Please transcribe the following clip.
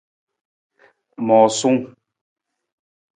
Moosang.